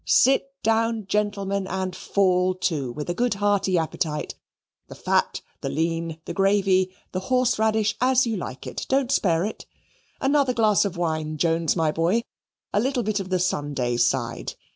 Sit down, gentlemen, and fall to, with a good hearty appetite; the fat, the lean, the gravy, the horse radish as you like it don't spare it. Another glass of wine, Jones, my boy a little bit of the Sunday side.